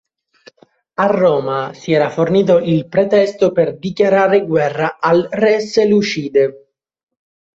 A Roma si era così fornito il pretesto per dichiarare guerra al re seleucide.